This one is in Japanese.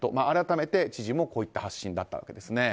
改めて、知事もこういった発信だったんです。